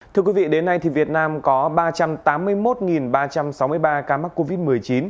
thưa quý vị đến nay việt nam có ba trăm tám mươi một ba trăm sáu mươi ba ca mắc covid một mươi chín